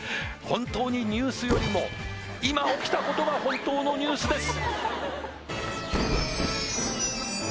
本当にニュースよりも今起きたことが本当のニュースです